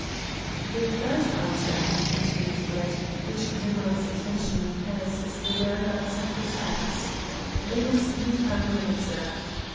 "The third item," continued Brett, "which demands attention in Paris is the whereabouts of the Turks. They must be found and observed.